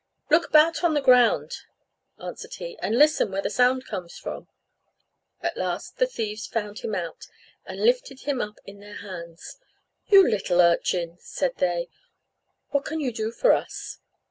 "Look about on the ground," answered he, "and listen where the sound comes from." At last the thieves found him out, and lifted him up in their hands. "You little urchin!" said they, "what can you do for us?"